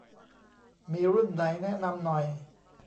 มีรุ่นไหนแนะนำหน่อย